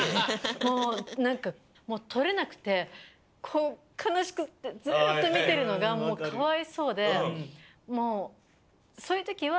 もうなんかとれなくてこうかなしくてずっとみてるのがもうかわいそうでもうそういうときは。